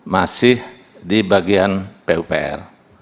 masih di bagian pupr